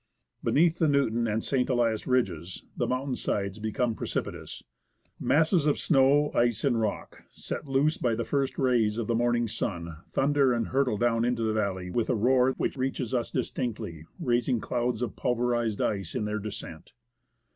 Beneath the Newton and St. Elias ridges the mountain sides become precipitous. Masses of snow, ice, and rock, set loose by the first rays of the morning sun, thunder and hurtle down into the valley with a roar which reaches us distinctly, raising clouds of pulverized ice in their descent.